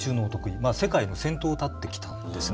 まあ世界の先頭を立ってきたんですね。